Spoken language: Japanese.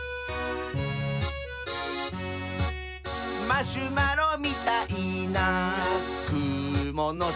「マシュマロみたいなくものした」